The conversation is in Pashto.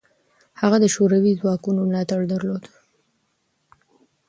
هغه د شوروي ځواکونو ملاتړ درلود.